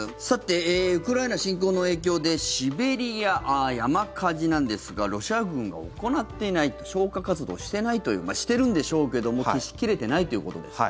ウクライナ侵攻の影響でシベリア、山火事なんですがロシア軍が行っていない消火活動していないというしてるんでしょうけども消し切れてないということです。